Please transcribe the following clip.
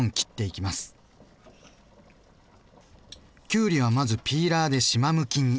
きゅうりはまずピーラーでしまむきに。